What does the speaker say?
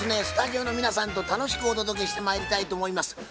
スタジオの皆さんと楽しくお届けしてまいりたいと思います。